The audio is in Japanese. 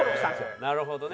なるほどね。